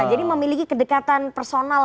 jadi memiliki kedekatan personal